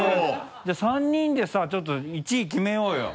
じゃあ３人でさちょっと１位決めようよ。